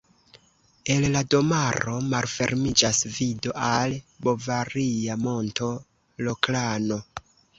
El la domaro malfermiĝas vido al bavaria monto Roklano.